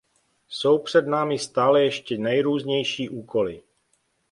Jsou před námi stále ještě nejrůznější úkoly.